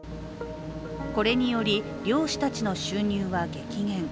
これにより漁師たちの収入は激減。